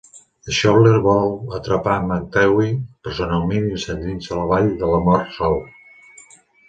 Schouler vol atrapar McTeague personalment i s'endinsa a la Vall de la Mort sol.